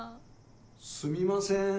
・すみません・